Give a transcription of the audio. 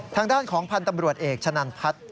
ทางด้านของพันธ์ตำรวจเอกชะนันพัฒน์